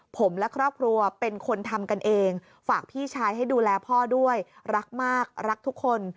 ผมและครอบครัวเป็นคนทำกันเองฝากพี่ชายให้ดูแลพ่อด้วยรักมากรักทุกคน